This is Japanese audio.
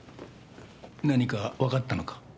何かわかったのか？